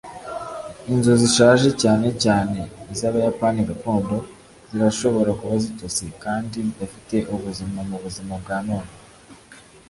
inzu zishaje, cyane cyane iz'abayapani gakondo, zirashobora kuba zitose kandi zidafite ubuzima mubuzima bwa none